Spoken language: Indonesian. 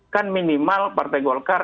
kan minimal partai golkar